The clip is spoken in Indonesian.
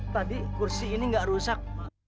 tadi kursi ini nggak rusak